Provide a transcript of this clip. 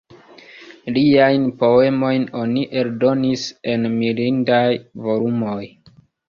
Liajn poemojn oni eldonis en mirindaj volumoj.